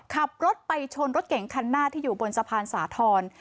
ขับรถไปชนรถเก่งคันหน้าที่อยู่บนสะพานสาธรณ์